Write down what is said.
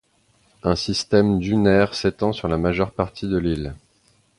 Un système dunaire s'étend sur la majeure partie de l'île.